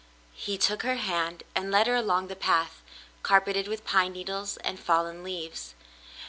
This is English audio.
He took her hand and led her along the path, carpeted with pine needles and fallen leaves.